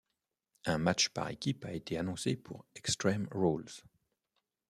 Un match par équipe a été annoncé pour Extreme Rules.